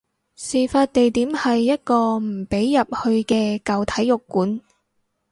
事發地點係一個唔俾入去嘅舊體育館